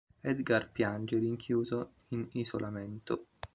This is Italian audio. Edgar piange rinchiuso in isolamento.